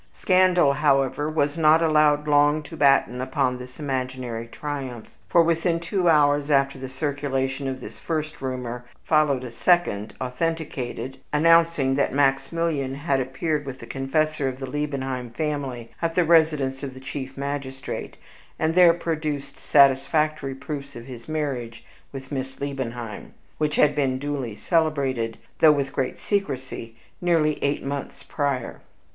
Scandal, however, was not allowed long to batten upon this imaginary triumph, for within two hours after the circulation of this first rumor, followed a second, authenticated, announcing that Maximilian had appeared with the confessor of the Liebenheim family, at the residence of the chief magistrate, and there produced satisfactory proofs of his marriage with Miss Liebenheim, which had been duly celebrated, though with great secrecy, nearly eight months before.